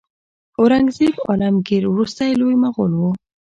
اورنګزیب عالمګیر وروستی لوی مغول و.